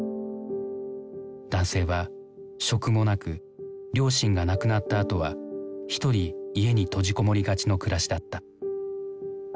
男性は職もなく両親が亡くなったあとはひとり家に閉じ籠もりがちの暮らしだった。